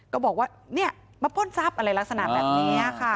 ก็บอกว่าเนี่ยมาปล้นทรัพย์อะไรลักษณะแบบนี้ค่ะ